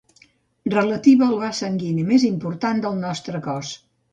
Relativa al vas sanguini més important del nostre cos.